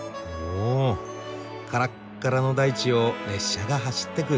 おからっからの大地を列車が走ってく。